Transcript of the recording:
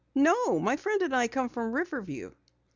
"No, my friend and I come from Riverview."